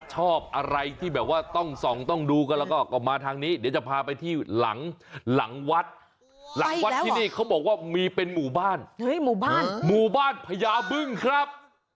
ชอบอะไรที่แบบว่าต้องส่องต้องดูกันแล้วก็มาทางนี้เดี๋ยวจะพาไปที่หลังหลังวัดหลังวัดที่นี่เขาบอกว่ามีเป็นหมู่บ้านหมู่บ้านพญาบึ้งครับ